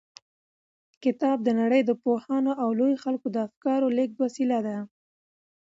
کتاب د نړۍ د پوهانو او لويو خلکو د افکارو د لېږد وسیله ده.